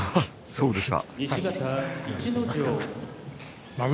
そうでした。